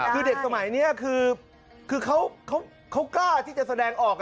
คือเด็กสมัยนี้คือเขากล้าที่จะแสดงออก